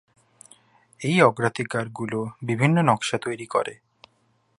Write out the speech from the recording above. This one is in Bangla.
এই অগ্রাধিকার গুলো বিভিন্ন নকশা তৈরি করে।